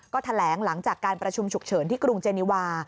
ก็แถลงหลังจากการประชุมฉุกเฉินที่กรุงเจนิวา